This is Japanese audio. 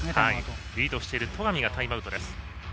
リードしている戸上がタイムアウトです。